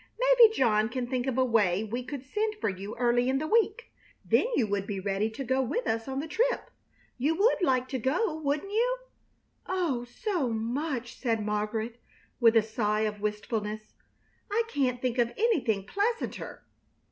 Maybe John can think of a way we could send for you early in the week. Then you would be ready to go with us on the trip. You would like to go, wouldn't you?" "Oh, so much!" said Margaret, with a sigh of wistfulness. "I can't think of anything pleasanter!"